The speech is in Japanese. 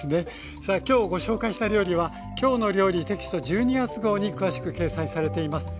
さあ今日ご紹介した料理は「きょうの料理」テキスト１２月号に詳しく掲載されています。